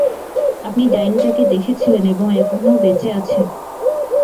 আপনি ডাইনিটাকে দেখেছিলেন এবং এখনো বেঁচে আছেন।